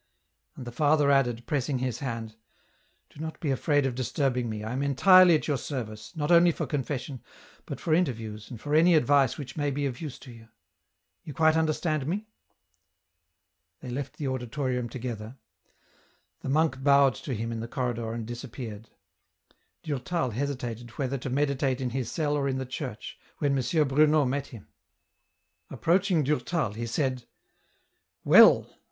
And the father added, pressing his hand, " Do not be afraid of disturbing me, I am entirely at your service, not only for confession, but for interviews and for any advice which may be of use to you ; you quite understand me?" They left the auditorium together ; the monk bowed to him in the corridor and disappeared. Durtal hesitated whether to meditate in his cell or in the church, when M. Bruno met him. Approaching Durtal he said, *' Well